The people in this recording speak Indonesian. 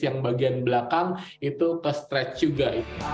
yang bagian belakang itu ke stretch juga